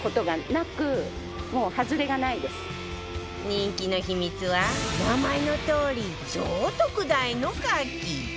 人気の秘密は名前のとおり超特大のカキ